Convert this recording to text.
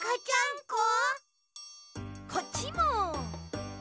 こっちも。